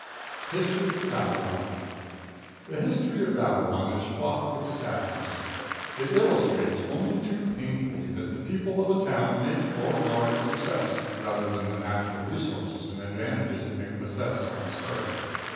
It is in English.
History of Babylon. The history of Babylon is fraught with sadness. It illustrates, only too painfully, that the people of a town make or mar its success rather than the natural resources and advantages it may possess on the start.